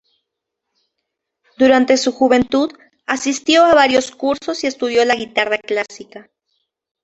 Durante su juventud, asistió a varios cursos y estudió la guitarra clásica.